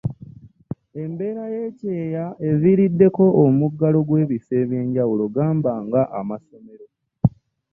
embeera y'ekyeya evviirideko omuggalo gw'ebifo ebyenjawulo gamba nga amasomero